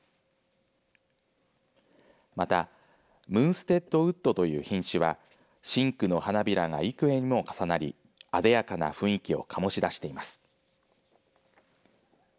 またムンステッド・ウッドという品種は深紅の花びらが幾重にも重なりあでやかな雰囲気を醸し出しています。